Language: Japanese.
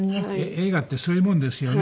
映画ってそういうものですよね。